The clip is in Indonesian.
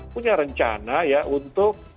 punya rencana ya untuk